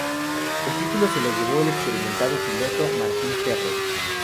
El título se lo llevó el experimentado piloto, Martín Ferrer.